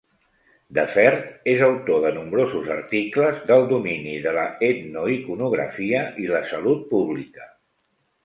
Defert és autor de nombrosos articles del domini de la etnoiconografia i la salut pública.